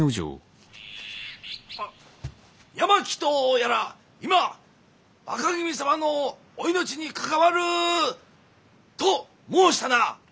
八巻とやら今「若君様のお命に関わる」と申したな！